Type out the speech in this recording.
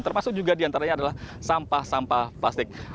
termasuk juga di antaranya adalah sampah sampah plastik